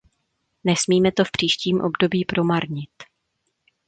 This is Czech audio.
Nesmíme to v příštím období promarnit.